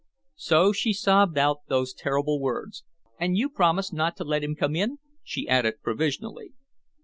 So she sobbed out those terrible words. "And you promise not to let him come in?" she added, provisionally.